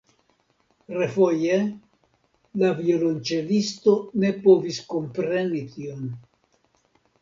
Refoje la violonĉelisto ne povis kompreni tion.